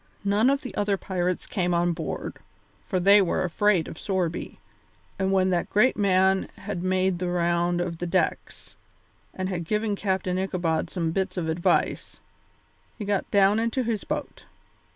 None of the other pirates came on board, for they were afraid of Sorby, and when that great man had made the round of the decks and had given Captain Ichabod some bits of advice, he got down into his boat.